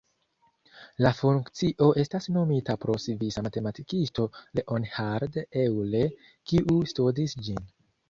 La funkcio estas nomita pro svisa matematikisto Leonhard Euler, kiu studis ĝin.